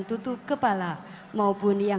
tuhan ku sempurna